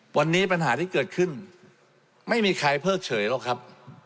วันนี้ปัญหาที่เกิดขึ้นไม่มีใครเพิกเฉยหรอกครับ